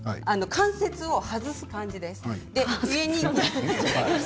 関節を外す感じ。